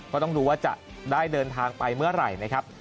ก็ต้องดูว่าจะได้เดินทางไปเมื่อไหร่นะครับ